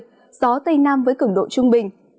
gió tây nam với cứng độ trung bình